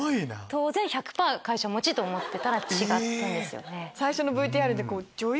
当然１００％会社持ちと思ってたら違ったんですよ。